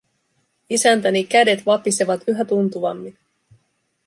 Isäntäni kädet vapisevat yhä tuntuvammin.